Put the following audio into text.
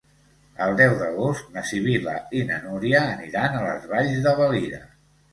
El deu d'agost na Sibil·la i na Núria aniran a les Valls de Valira.